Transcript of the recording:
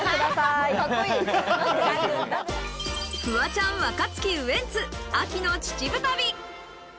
フワちゃん、若槻、ウエンツ、秋の秩父旅。